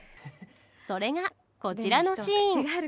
それがこちらのシーン。